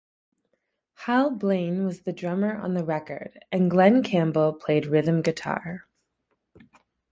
Hal Blaine was the drummer on the record and Glen Campbell played rhythm guitar.